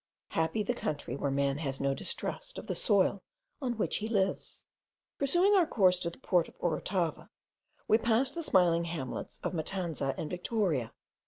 Happy the country, where man has no distrust of the soil on which he lives! Pursuing our course to the port of Orotava, we passed the smiling hamlets of Matanza and Victoria.